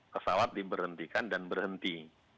pesawat diberhentikan dan berhenti